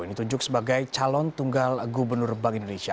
yang ditunjuk sebagai calon tunggal gubernur bank indonesia